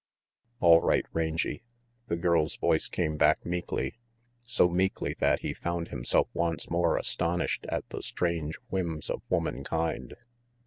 "All right, Rangy," the girl's voice came back meekly, so meekly that he found himself once more astonished at the strange whims of womankind.